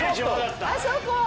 あそこ！